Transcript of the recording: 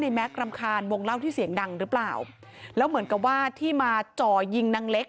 แม็กรำคาญวงเล่าที่เสียงดังหรือเปล่าแล้วเหมือนกับว่าที่มาจ่อยิงนางเล็ก